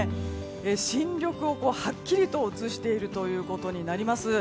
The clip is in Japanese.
新緑をはっきりと映しているということになります。